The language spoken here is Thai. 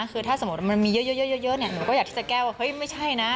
คือถ้าสมมุติมันมีเยอะหนูก็อยากที่จะแก้ว่าเฮ้ยไม่ใช่นะ